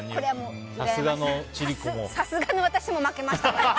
さすがの私も負けました。